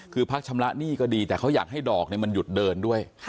คือพักชำระหนี้ก็ดีแต่เขาอยากให้ดอกมันหยุดเดินด้วย